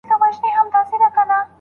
په کومه نکاح کې د صحت رکنونه پوره نه وي؟